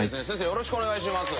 よろしくお願いします。